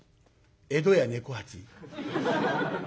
江戸家猫八。